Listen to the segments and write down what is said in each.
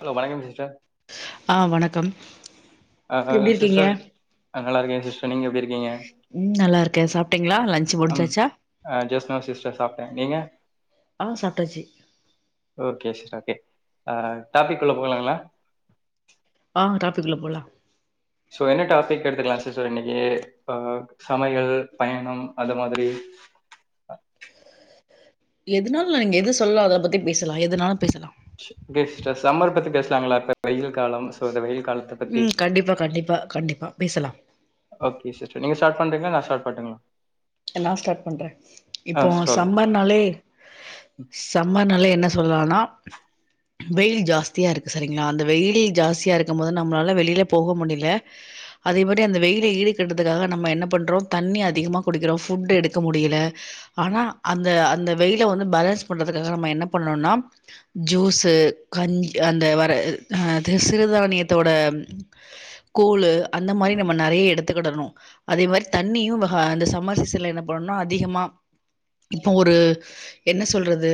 Hello வணக்கம் sister ஆ வணக்கம் ஆ ஹா எப்டி இருக்கீங்க சிஸ்டர் ஆ நல்லாருக்கே சிஸ்டர் நீங்க எப்டி இருக்கீங்க ம் நல்லா இருக்கே சாப்ட்டீங்களா லன்ச் அம் முடிஞ்சாச்சா ஆ ஜெஸ்ட்நவ் சிஸ்டர் சாப்ட்டே நீங்க ஆ சாப்ட்டாச்சு ஓகே சிஸ்டர் ஓகே ஆ டாபிக்குள்ள போகலாங்களா ஆ டாபிக்குள்ள போலா ஸோ என்ன டாபிக் எடுத்துக்லா சிஸ்டர் இன்னக்கி ஆ சமையல் பயணம் அது மாதிரி எதுனாலு நா இங்க எது சொல்ல அத பத்தி பேசலா எதுனாலு பேசலா பே சிஸ்டர் சம்மர்பத்தி பேசலாங்ளா இப்ப வெயில் காலம் ஸோ இந்த வெயில் கால ம் கண்டிப்பா கண்டிப்பா கண்டிப்பா பேசலா ஓகே சிஸ்டர் நீங்க ஸ்டார்ட் பண்றீங்ளா நா ஸ்டார்ட் பண்ட்டுங்ளா நா ஸ்டார்ட் பண்றே இப்போ ஆ ஸ்டார்ட் சம்மர்னாலே சம்மர்னாலே என்ன சொல்லானா வெயில் ஜாஸ்தியாருக்கு செரிங்ளா அந்த வெயிலி ஜாஸ்தியாருக்கும் போது நம்ளால வெளில போக முடில அதே மாரி அந்த வெயில ஈடுக்கட்றதுக்காக நம்ம என்ன பண்றோ தண்ணி அதிகமாக குடிக்கிறோ ஃபுட்டு எடுக்க முடில ஆனா அந்த அந்த வெயில வந்து பேலன்ஸ் பண்றதுக்காக நம்ம என்ன பண்ணனுனா ஜூஸு கஞ் அந்த வர அ அது சிறுதானியத்தோட கூழு அந்த மாரி நம்ம நறைய எடுத்துக்கிடணு அதே மாரி தண்ணியு வக அந்த அம்மாசிசில என்ன பண்ணணுனா அதிகமா இப்போ ஒரு என்ன சொல்றது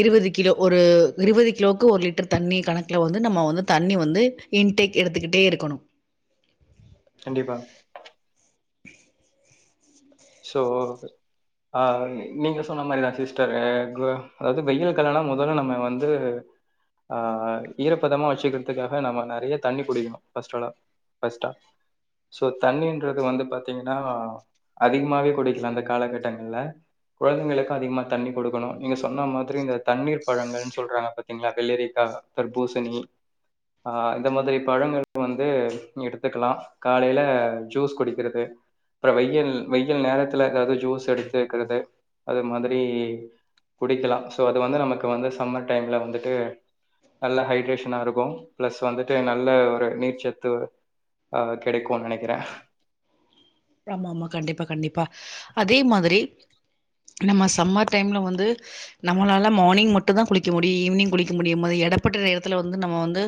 இருவது கிலோ ஒரு இருவது கிலோக்கு ஒரு லிட்டர் தண்ணி கணக்குல வந்து நம்ம வந்து தண்ணி வந்து இன்டேக் எடுத்துக்கிட்டே இருக்கணு கண்டிப்பா சோ ஆ நீங்க சொன்ன மாரிதா சிஸ்டரு கு அதாவது வெயில் கலனா முதல்ல நம்ம வந்து ஆ ஈரப்பதமா வச்சுக்கறதுக்காக நம்ம நறைய தண்ணி குடிக்கணு ஃபஸ்டாலா ஃபஸ்ட்டா சோ தண்ணீன்றது வந்து பாத்திங்ன்னா அதிகமாவே குடிக்கலா அந்த காலகட்டங்கள்ல குழந்தைகளுக்கு அதிகமா தண்ணி குடுக்கணு நீங்க சொன்ன மாதிரி இந்த தண்ணீர் பழங்கள்னு சொல்றாங்க பத் திங்களா வெள்ளரிக்கா தர்பூசணி அ இந்த மாதிரி பழங்கள் வந்து எடுத்துக்கலா காலைல ஜூஸ் குடிக்கறது அப்பறோ வெயல் வெயல் நேரத்துல எதாவது ஜூஸ் எடுத்து குறது அது மாதிரி குடிக்கலா சொ அது வந்து நமக்கு வந்து சம்மர் டைம்ல வந்துட்டு நல்ல ஹைட்ரேஷனா இருக்கு பிளஸ் வந்துட்டு நல்ல ஒரு நீர் சத்து ஆ கெடைக்குன் நெனைக்கற ஆமா ஆமா கண்டிப்பா கண்டிப்பா அதே மாதிரி நம்ம சம்மர் டைம்ல வந்து நம்மளால மார்னிங் மட்டு தா குளிக்க முடியு ஈவினிங் குளிக்க முடியும் எடப்பட்ட நேரத்துல வந்து நம்ம வந்து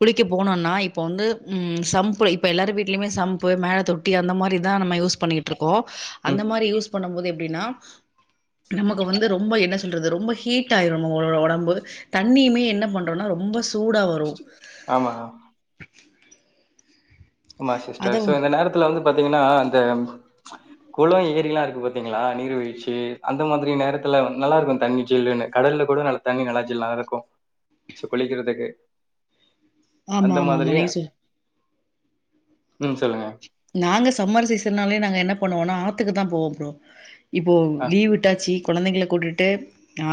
குளிக்க போனொன்னா இப்ப வந்து ம் சம்பு இப்ப எல்லாரு வீட்டுலயுமே சம்பு மேல தொட்டி அந்த மாரி தா நம்ம யூஸ் பண்ணிக்கிட்டு இருக்கோ அந்த ம் மாரி யூஸ் பண்ணும் போது எப்டின்னா நமக்கு வந்து ரொம்ப என்ன சொல்றது ரொம்ப ஹீட் ஆயிரு நம்மளோட ஒடம்பு தண்ணியுமே என்ன பண்றோனா ரொம்ப சூடாவ ஆமா ஆமா அத சிஸ்டர் சோ வ- அந்த நேரத்துல வந்து பாத்தீங்கன்னா அந்த குளோ ஏரிலா இருக்கு பாத்தீங்களா நீர்வீழ்ச்சி அந்த மாதிரி நேரத்துல நல்லா இருக்கு தண்ணி ஜில்லுன்னு கடல்ல கூட நல்ல தண்ணீ நல்லா ஜில்லா இருக்கு சோ குளிக்கறதுக்கு ஆமா ஆமா ஆமா நீங்க சொல் ம் சொல்லுங்க நாங்க சம்மர் சீசன்னாலே நாங்க என்ன பண்ணுவோன்னா ஆத்துக்கு தா போவோ ப்ரோ இப்போ ஆ லீவ் விட்டாச்சி கொழந்தைங்கள கூட்டிட்டு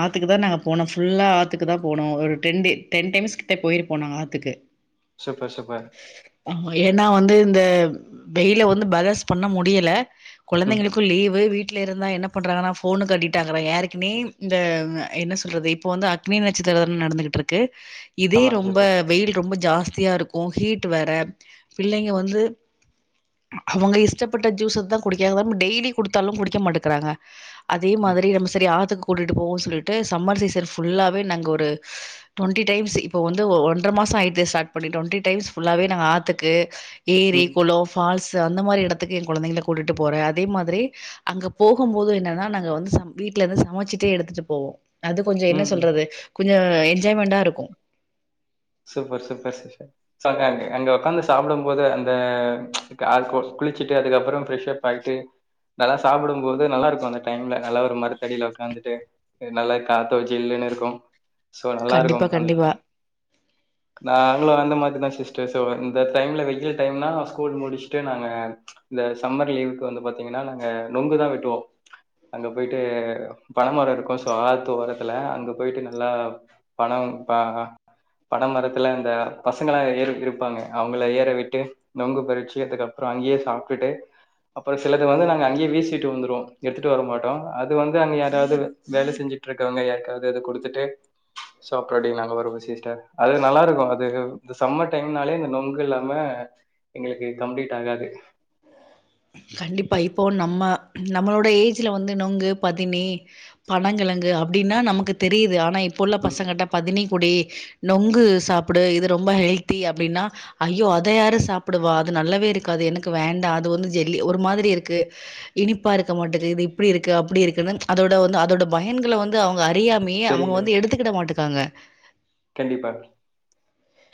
ஆத்துக்கு தா நாங்க போனோ ஃபுல்லா ஆத்துக்கு தா போனோ ஒரு டென் டே டென் டைம்ஸ்கிட்ட போயிருப்போ நாங்க ஆத்துக்கு சூப்பர் சூப்பர் ஆ ஏன்னா வந்து இந்த வெயில வந்து பேலஸ் பண்ண முடியல ம் கொழந்தைங்களுக்கு லீவு வீட்டுல இருந்தா என்னப் பண்ணுறாங்க நா ஃபோனுக்கு அடிக்ட்டாகுற யாருக்குனே இந்த என்ன சொல்றது இப்போ வந்து அக்னி நட்சத்திரோ வேற நடந்துகிட்டுருக் க்கு இதே ஆமா ரொம்ப சூப்பர் வெயில் ரொம்ப ஜாஸ்தியா இருக்கு ஹீட் வேற பிள்ளைங்க வந்து அவங்க இஷ்டப்பட்ட ஜூஸ்ச தா குடிக்கறாங்க [inaudible] டெய்லியு குடுத்தாலு குடிக்க மாட்டக்கறாங்க அதே ம் மாதிரி நம் சரி ஆத்துக்கு கூட்டிட்டு போவோ சொல்லிட்டு சம்மர் சீசன் ஃபுல்லாவே நங்க ஒரு டொண்டி டைம்ஸ்ஸு இப்ப வந்து ஒன்றர மாசோ ஆ ஸ்டார்ட் பண்ணிடோ டொண்டி டைம்ஸ் ஃபுல்லாவே நாங்க ஆத்துக்கு ஏரி ம் குளோ ஃபால்ஸு அந்த மாரி எடத்துக்கு எ கொழந்தைங்கள கூட்டிட்டு போற அதே மாதிரி அங்க போகு போது என்னன்னா நாங்க வந்து ச வீட்டுல இருந்து சமைச்சிட்டே எடுத்துட்டு போவோ அது கொஞ்ச என்ன ம் சொல்றது கொஞ்சோ என்ஜாய்மென்டா இருக்கு சூப்பர் சூப்பர் சிஸ்டர் சோக்காருக்கு அங்க உக்காந்து சாப்புடும் போது அந்த அ கொ குளிச்சுட்டு அதுக்கப்பறம் ஃப்ரஷப் பன்ட்டு நல்லா சாப்டும்போது நல்லா இருக்கும் அந்த டைம்ல நல்லா ஒரு மரத்தடியில உட்காந்துட்டு நல்லாயிருக் காத்தோ ஜில்லுனு இருக்கும் சோ நல்லா இருக்கும் கண்டிப்பா அந்த கண்டிப்பா டைம் நாங்களு அந்த மாதிரிதா சிஸ்டர் சோ இந்த டைம்ல வெயில் டைம்னா ஸ்கூல் முடிச்சுட்டு நாங்க இந்த சம்மர் லீவுக்கு வந்து பாத்தீங்கனா நாங்க நொங்குதா வெட்டுவோம் அங்க பொயிட்டு பனமரோ இருக்கு சோ ஆத்து ஓரத்துல அங்க பொயிட்டு நல்லா பணமு பாகா பன மரத்துல இந்த பசங்களா ஏறி இருப்பாங்க அவுங்கள ஏற விட்டு நொங்கு பறிச்சு அதுக்கப்பறோ அங்கேயே சாப்டுட்டு அப்பறோ சிலது வந்து நாங்க அங்கேயே வீசிட்டு வந்துருவோ எடுத்துட்டு வர மாட்டோ அது வந்து அங்க யாராவது வேலை செஞ்சுட்டு இருக்கவங்க யாருக்காவது அத குடுத்துட்டு சோக்கா அப்டி நாங்க வருவோ சிஸ்டர் அது நல்லா இருக்கு அது இந்த சம்மர் டைம்னாலே இந்த நொங்கு இல்லாம எங்களுக்கு கம்ப்ளீட் ஆகாது கண்டிப்பா இப்போ நம்ம நம்மளோட ஏஜ்ல வந்து நொங்கு பதினி பனங்கிழங்கு அப்டின்னா நமக்கு தெரியுது ஆனா இப்ப உள்ள ம் பசங்கிட்ட பதினி குடி நொங்கு சாப்புடு இது ரொம்ப ஹெல்தி அப்டின்னா ஐயோ அதை யாரு சாப்புடுவா அது நல்லாவே இருக்காது எனக்கு வேண்டா அது வந்து ஜெல்லி ஒரு மாதிரி இருக்கு இனிப்பா இருக்க மாட்டுது இது இப்டி இருக்கு அப்டி இருக்குன்னு அதோட வந்து அதோட பயன்கள வந்து ந்து அவுங்க அறியாமேயே அவுங்க தெரியல வந்து எடுத்துக்கிட மாட்டுக்காங்க கண்டிப்பா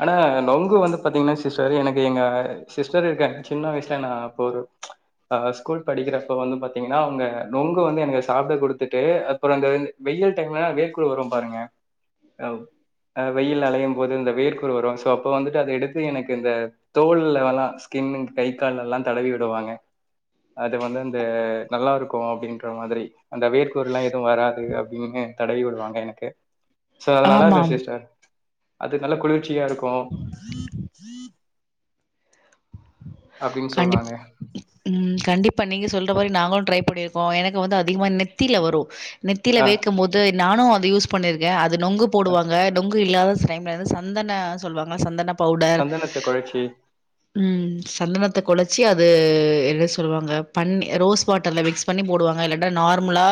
ஆனா நொங்கு வந்து பாத்தீங்கன்னா சிஸ்டர் எனக்கு எங்க சிஸ்டர் இருக்காங்க சின்ன வயசுல நா போற அ ஸ்கூல் படிக்கிறப்ப வந்து பாத்தீங்கன்னா அவுங்க நொங்கு வந்து எனக்கு சாப்ட குடுத்துட்டு அப்பறோ இந்த இந் வெயில் டைம்லனா வேர்க்குரு வரும்ன பாருங்க அ வெயில்ல அலையும் போது இந்த வேர்க்குரு வரும் சோ அப்ப வந்துட்டு அத எடுத்து எனக்கு இந்த தோள்ல எல்லா ஸ்கின் கை கால்ல எல்லா தடவி விடுவாங்க அது வந்து அந்த நல்லா இருக்கு அப்டின்ற மாதிரி அந்த வேர்க்குருலா எதுவும் வராது அப்டின்னு தடவி விடுவாங்க எனக்கு சோ அது ஆமா. நல்லாருக்கு சிஸ்டர் அது நல்லா குளிர்ச்சியா இருக்கு அப்படின்னு கண்டிப் சொல்லுவாங்க ம் கண்டிப்பா நீங்க சொல்ற மாரி நாங்களு ட்ரை பண்ணி இருக்கோ எனக்கு வந்து அதிகமா நெத்தீல வரு நெத்தில ஆ வேர்கும் போது நானு வந்து யூஸ் பண்ணியிருக்கே அது நொங்கு ஆ போடுவாங்க நொங்கு நொங்கு இல்லாத டைம்ல இருந்து சந்தன சொல்வாங்கல்ல சந்தன பவுடர் சந்தனத்த குழச்சி ம் சந்தனத்த கொழச்சு அத என்ன சொல்லுவாங்க பன்னீர் ரோஸ் வாட்டர்ல மிக்ஸ் பண்ணி போடுவாங்க இல்லாட்டா நார்மலா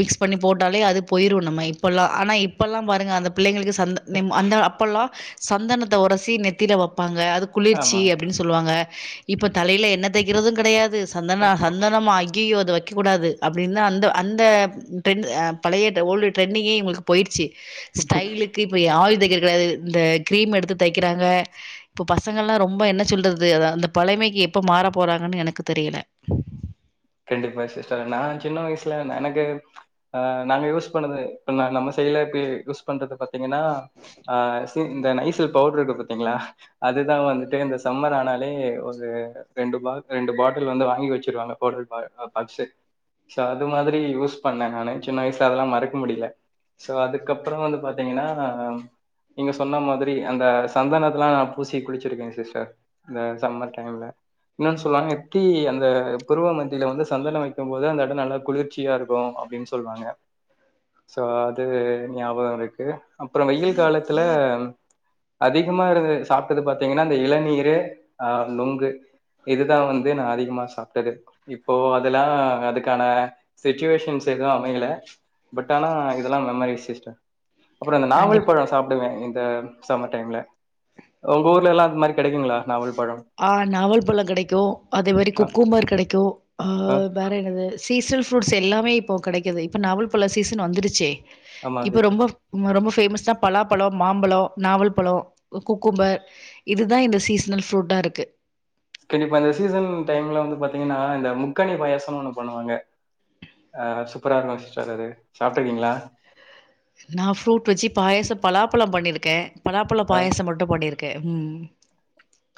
மிக்ஸ் பண்ணி போட்டாலே அது போயிரு நம்ம இப்பலா ஆனா இப்பல்லா பாருங்க அந்த பிள்ளைங்களுக்கு சந்த நிம் அந்த அப்பல்லா சந்தனத்த ஒரசி நெத்தில வப்பாங்க அது ஆமா குளிர்ச்சி அப்டின்னு சொல் சொல்லுவாங்க இப்ப தலையில எண்ணெ தேக்கிறதும் கெடையாது சந்தன சந்தனமா அய்யய்யோ அத வச் க்க கூடாது அப்டின்னு அந்த அந்த ட்ரெண்ட் ஆ பழைய ஓல்டு ட்ரெண்டிங்கே இவுங்களுக்கு போயிடுச்சு ஸ்டைலுக் க்கு இப்ப ஏ ஆயில் தேக்கிறது கெடையாது இந்த கிரீம் எடுத்து தேக்கிறாங்க இப்ப பசங்கல்லா ரொம்ப என்னச் சொல்றது ந்து எதாது அந்த பழமைக்கி எப்ப மாற போறாங்கன்னு எனக்கு தெரியல கண்டிப்பா சிஸ்டர் நா சின்ன வயசுல நா எனக்கு ஆ நாங்க யூஸ் பண்ணது இ நம்ம சைட்ல இப்ப யூஸ் பண்றது பாத் தீங்கன்னா அ சி இந்த நைசில் பவுடருக்கு பாத்தீங்ளா அதுதா வந்துட்டு இந்த சம்மர் ஆனாலே ஒரு ரெண்டு பா ரெண்டு பாட்டில் வந்து வாங்கி வெச்சிருவாங்க பவுட்ரு பா பாக்ஸு சோ அது மாதிரி யூஸ் பண்ணே நானே சின்ன வயசு அதெல்லா மறக்க முடில சோ அதுக்கப்பற வந்து பாத்தீங்கனா நீங்க சொன்ன மாதிரி அந்த சந்தனத்தலா நா பூசி குளிச்சிருக்கே சிஸ்டர் இந்த சம்மர் டைம்ல இன்னொன்னு சொல்லுவாங்க எப்டி அந்த புருவ மத்தியில வந்து சந்தனம் வைக்கும் போது அந்த இடம் நல்லா குளிர்ச்சியா இருக்கும் அப்டின் சொல்வாங்க சோ அது ஞாபகம் இருக்கு அப்புறம் வெயில் காலத்துல அதிகமா இருந்து சாப்ட்டது பாத்தீங்கன்னா அந்த இளநீரு அ நுங்கு இதுதா வந்து நா அதிகமா சாப்ட்டது இப்போ அதெல்லா அதுக்கான சிட்டுவேஷன்ஸ் எதுவு அமையல பட் ஆனா இதெல்லா மெமரி சிஷ்டம் அப்புறம் அந்த கண்டிப்பா நாவல் பழோ சாப்டுவே இந்த சம்மர் டைம்ல உங்க ஊர்ல எல்லா அந்த மாதிரி கெடைக்குங்களா நாவல் பழம் ஆ நாவல் பழ கெடைக்கு அதே மாரி அ, குக்கும்பர் கெடைக்கு அ வேற என்னது சீசனல் ஃப்ரூட்ஸ் எல்லாமே இப்போ கெடைக்குது இப்போ நாவல் பழ சீசன் வந்துருச்சே இப்போ ஆமா ரொம்ப ரொம்ப பேமஸ்னா பலாப்பழோ மாம்பழோ நாவல்பழோ குக்கும்பர் இதுதா இந்த சீஷ் னல் ஃப்ரூட்டா இருக்கு கண்டிப்பா இந்த சீசன் டைம்ல வந்து பாத்தீங்கன்னா இந்த முக்கனி பாயசம்னு ஒண்ணு பண்ணுவாங்க அ சூப்பரா இருக்கு சிஸ்டர் அது சாப்ட்ருக்கீங்களா நா ஃப்ரூட் வெச்சு பாயசம் பலாப்பழம் பண்ணிருக்கே பலாப்பழப் அ பாயசம் மட்டும் பண்ணிருக்கே ம்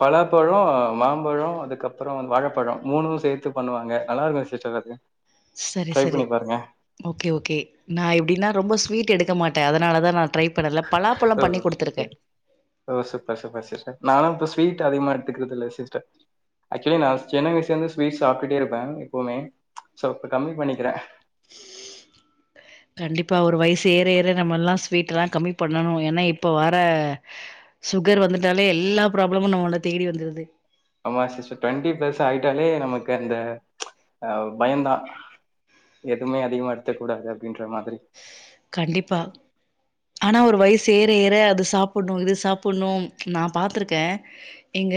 பழாப்பழோ மாம்பழோ அதுக்கப்பறம் வாழைப்பழோ மூணும் சேத்து பண்ணுவாங்க நல்லா இருக்கு சிஸ்டர் அது த சரி சரி ஓகே ஓகே நா எப்டின்னா ரொம்ப ஸ்வீட் எடுக்க மாட்டே அதனால தா நா ட்ரை பண்ல ஓ பலாப்பழம் பண்ணி ஓகே. குடுத்துருக்கே ஓ சூப்பர் சூப்பர் சிஸ்டர் நால்லா இப்ப ஸ்வீட் அதிகமா எடுத்துக்கிறதில்ல சிஸ்டர் ஆக்சுவலி நா‌சின்ன வயசுலேருந்து ஸ்வீட்ஸ் சாப்டுட்டே இருப்பே எப்பவுமே சோ இப்ப கம்மி பண்ணிக்கிறே கண்டிப்பா ஒரு வயசு ஏற ஏற நம்மல்லா ஸ்வீட்டல்லா கம்மி பண்ணணு ஏனா இப் ப வர சுகர் வந்துட்டாலே எல்லா ப்ராப்ளமு நம்மள தேடி வந்துடுது ஆமா சிஸ்டர் டுவெண்ட்டி பிளஸ் ஆயிட்டாலே நமக்கு அந்த அ பயந்தா எதுமே அதிகமா எடுத்துக்க கூடாது அப்டின்ற மாதிரி கண்டிப்பா ஆனா ஒரு வயசு ஏறஏற அத சாப்புட்ணு இத சாப்புட்ணு நா பாத்திருக்கே எங்க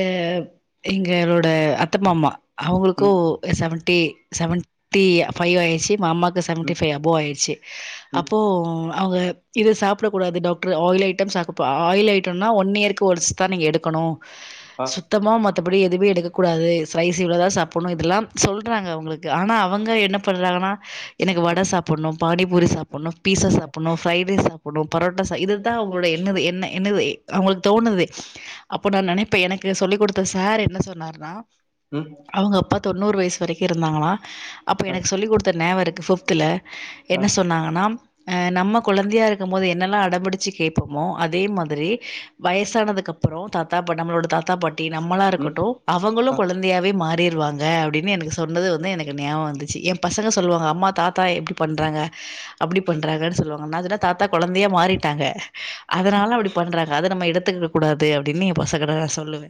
எங்களோட அத்தமாமா அவங்களுக்கு ம், செவன்டி செவன்டி ஃபைவ் ஆயிடுச்சி மாமாக் செவன்டி ம், ஃபைவ் அபோ ஆயிடுச்சி ம். அப்போ அவ்ங்க இது சாப்பிடக்கூடாது டாக்டரு ஆயில் ஐட்டம்ஸ் அபப்ப ஆயில் ஐட்டம்னா ஒன் இயர்க்கு ஒன்ஸ்தா நீங்க எடுக்கணு ஆ. சுத்தமா மத் தப்படி எதுமே எடுக்கக்கூடாது ஸ்லைஸ் இவ்ளோதா சாப்புணு இதெல்லா சொல்றாங்க உங்களுக்கு ஆனா அவங்க என்னப் பண்றாங்கனா எனக்கு வட ஓகே. சாப்புட்ணு பானிபூரி சாப்புட்ணு பீசா சாப்புட்ணு ஃப்ரைட் ரைஸ் சாப்புணு பரோட்டா சா இதுதா அவங்களோட என்னது என்ன என்னது அவ்ங்களுக்கு தோணுது அப்போ நா நெனப்பே எனக்கு சொல்லிக் குடுத்த சார் என்ன சொன்னாருனா ம் அவங்க அப்பா தொண்ணூறு வயசு வரைக்கு இருந்தாங்களா அப்போ அ எனக்கு சொல்லி குடுத்த நேவ இருக்கு ஃபிஃப்த்துல அ என்ன சொன்னாங்கனா அ நம்ம குழந்தையா இருக்க போது என்னலா அடம்பிடிச்சு கேப்பமோ அதே மாதிரி வயசானதுக்கு அப்றோ தாத்தா பாட் நம்மளோட தாத்தா பாட் டி நம்மளா ம் இருக்கட்டு அவங்களு அ கொழந்தையாவே மாறிருவாங் க அப்டினு எனக்கு சொன்னது வந்து எனக்கு ஞாவ வந்துச்சு எ பசங்க சொல்லுவாங்க அம்மா தாத்தா ஏ இப்டி பண்றாங்க அப்டி பண்றாங்கன் சொல்லுவாங்க நா சொன்னே தாத்தா கொழந்தையா மாறிட்டாங்க அதனால அப்டி பண்றாங்க அத நம்ம எடுத்துக் ட கூடாது அப்டின்னு ஏ பசங் கிட்ட நா சொல்லுவே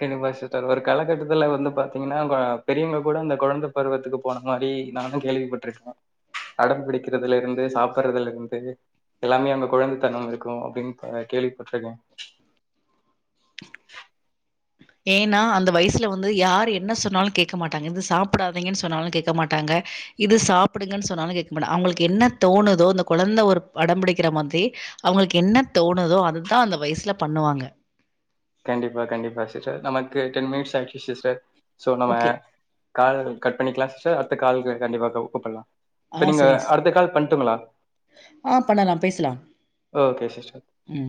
கெனிபாசுதார் ஒரு கலகட்டத்துல வந்து பாத்தீங்ன்னா ஆ பெரியவங்க கூட அந்த கொழந்த பருவத்துக்கு போன மாரி நானு கேள்விப்பட்ருக்கே அடம் பிடிக்கிறதுலருந்து சாப்டுறதுலருந்து எல்லாமே அங்க குழந்தைத்தனம் இருக்கு அப்டின்னு அ கேள்விப்பட்ருக்கே ஏன்னா அந்த வயச்ல வந்து யார் என்ன சொன்னாலு கேக்க மாட்டாங்க இது சாப்டாதீங்கன்னு சொன்னாலு கேக்க மாட்டாங்க இது சாப்டுங்கன்னு சொன்னாலு கேக்க மாட்ட அவுங்களுக்கு என்ன தோணுதோ அந்த கொழந்த ஒரு அடம்பிடிக்கிற மாதிரி அவுங்களுக்கு என்ன தோணுதோ அதத்தா அந்த வயச்ல பண்ணுவாங்க கண்டிப்பா கண்டிப்பா சிஸ்டர் நமக்கு டென் மினிட்ஸ் ஆயிச்சு சிஸ்டர் ஸோ நம்ம ஓகே. கால் கட் பண்ணிக்லா சிஸ்டர் அடுத்த கால்க்கு கண்டிப்பா கூப் கூப்புலா ஆ இப்ப நீங்க சரிங்க சிஸ். அடுத்த கால் பண்ட்டூங்ளா ஆ பண்ணலாம் பேசலாம். ஒகே சிஸ்டர் ம்